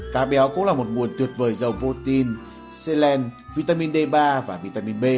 cá béo cũng là một nguồn tuyệt vời dầu protein selen vitamin d ba và vitamin b